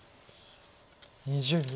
２０秒。